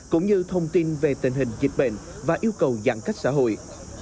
cũng như thông tin về tình hình dịch bệnh và yêu cầu giãn cách xã hội